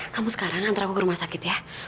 kamu sekarang antara aku ke rumah sakit ya